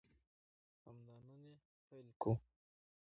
همدا نن یې پیل کړو.